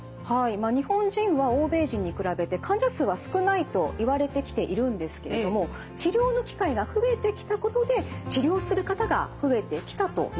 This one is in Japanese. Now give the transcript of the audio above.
まあ日本人は欧米人に比べて患者数は少ないといわれてきているんですけれども治療の機会が増えてきたことで治療する方が増えてきたと見られているんです。